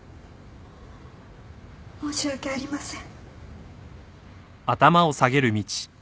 申し訳ありません。